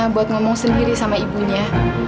buat ngomong sendiri sama ibunya